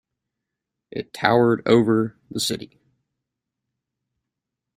It towered over the city.